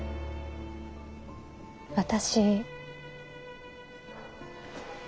私。